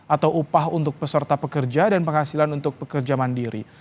atau upah untuk peserta pekerja dan penghasilan untuk pekerja mandiri